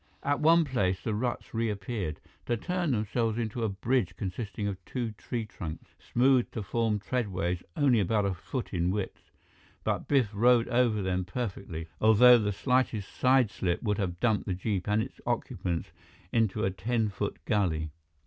At one place, the ruts reappeared, to turn themselves into a bridge consisting of two tree trunks, smoothed to form treadways only about a foot in width. But Biff rode over them perfectly, although the slightest sideslip would have dumped the jeep and its occupants into a ten foot gully.